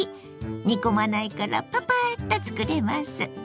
煮込まないからパパッと作れます。